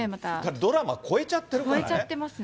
ドラマ超えちゃってるからね。